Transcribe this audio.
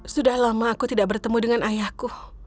sudah lama aku tidak bertemu dengan ayahku